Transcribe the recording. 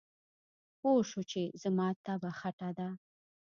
پوی شو چې زما طبعه خټه ده.